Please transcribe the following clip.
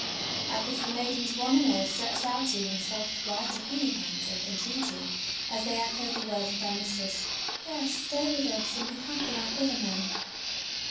At this the maidens one and all stretched out to him soft, white, appealing hands of entreaty as they echoed the words of their mis tress : "Yes, stay with us and be happy like other men."